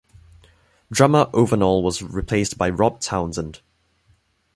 Drummer Ovenall was replaced by Rob Townsend.